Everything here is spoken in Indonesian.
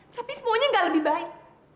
tapi semuanya gak lebih baik